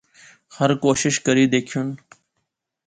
ہر کوشش کری دیکھیون